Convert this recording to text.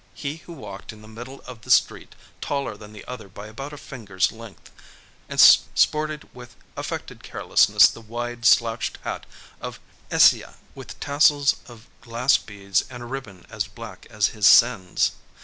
He who walked in the middle of the street, taller than the other by about a finger's length, sported with affected carelessness the wide, slouched hat of Ecija, with tassels of glass beads and a ribbon as black as his sins.